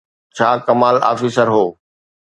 ڇا ڪمال آفيسر هو؟